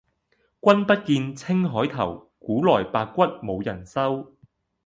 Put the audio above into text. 君不見，青海頭，古來白骨無人收。